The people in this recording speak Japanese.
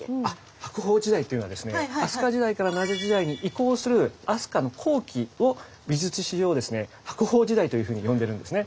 白鳳時代っていうのはですね飛鳥時代から奈良時代に移行する飛鳥の後期を美術史上ですね白鳳時代というふうに呼んでるんですね。